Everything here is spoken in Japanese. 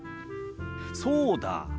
そうだ。